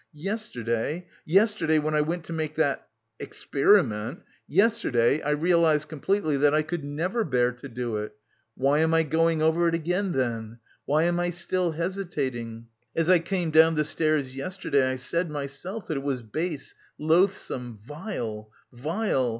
Yesterday, yesterday, when I went to make that... experiment, yesterday I realised completely that I could never bear to do it.... Why am I going over it again, then? Why am I hesitating? As I came down the stairs yesterday, I said myself that it was base, loathsome, vile, vile...